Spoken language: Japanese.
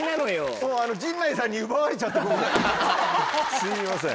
すいません。